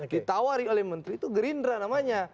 ditawari oleh menteri itu gerindra namanya